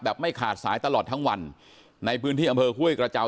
ไม่ขาดสายตลอดทั้งวันในพื้นที่อำเภอห้วยกระเจ้า